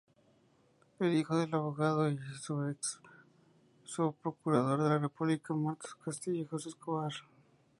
Hijo del abogado y ex subprocurador de la República, Marcos Castillejos Escobar.